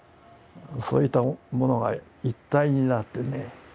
そういったものが一体になってね